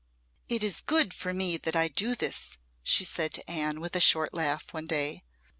"It is good for me that I do this," she said to Anne, with a short laugh, one day.